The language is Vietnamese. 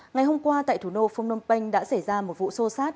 ngày hôm qua tại thủ nô phung nông panh đã xảy ra một vụ xô xát